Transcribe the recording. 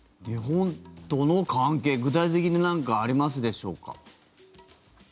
日本との関係具体的に何かありますでしょうか？